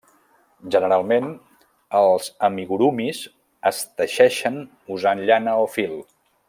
Generalment, els amigurumis es teixeixen usant llana o fil.